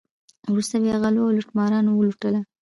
وروسته بیا غلو او لوټمارانو ولوټله.